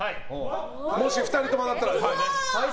もし、２人とも当たったら。